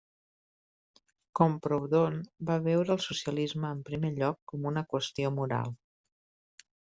Com Proudhon, va veure el socialisme en primer lloc com una qüestió moral.